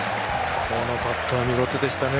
このパットは見事でしたね